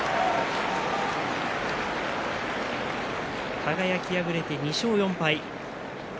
輝、敗れて２勝４敗。